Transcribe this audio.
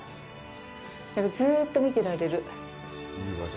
ずーっと見てられる。